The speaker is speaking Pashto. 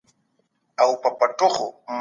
سالم ذهن شخړه نه راوړي.